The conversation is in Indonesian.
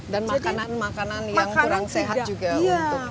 dan makanan makanan yang kurang sehat juga untuk ini